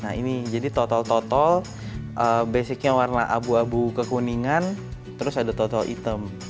nah ini jadi total total basicnya warna abu abu kekuningan terus ada total hitam